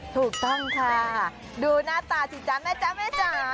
ถูกต้องดูหน้าตาจริงจ้าแม่จ๊ะแม่จ้า